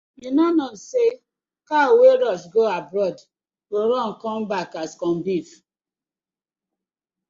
Yu no kno say cow wey rush go abroad go come back as corn beef.